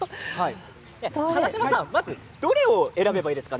花嶋さん、どれを選べばいいですか？